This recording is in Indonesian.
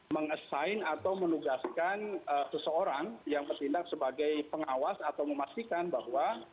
meng assign atau menugaskan seseorang yang bertindak sebagai pengawas atau memastikan bahwa